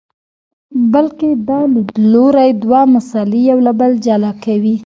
بلکې دا لیدلوری دوه مسئلې له یو بل جلا کوي.